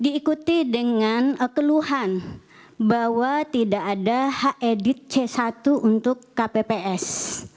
diikuti dengan keluhan bahwa tidak ada hedit c satu untuk kpps